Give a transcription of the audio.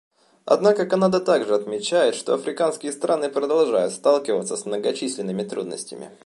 Однако Канада также отмечает, что африканские страны продолжают сталкиваться с многочисленными трудностями.